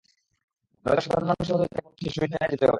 নয়তো সাধারণ মানুষের মতোই তাঁকে পলাশী দিয়ে শহীদ মিনারে যেতে হবে।